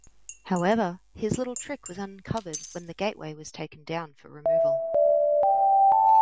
However, his little trick was uncovered when the gateway was taken down for removal.